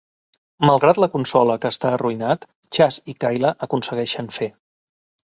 Malgrat la consola que està arruïnat, Chazz i Kayla aconsegueixen fer.